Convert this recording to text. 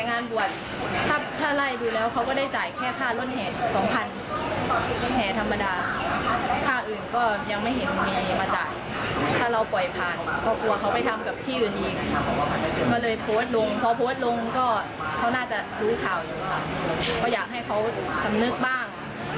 ในรับกรรมที่เขาทำไว้บ้าง